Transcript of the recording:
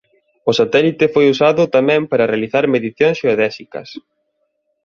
O satélite foi usado tamén para realizar medicións xeodésicas.